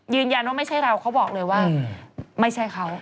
ยืนยันว่าไม่ใช่เราเขาบอกเลยว่าไม่ใช่เขา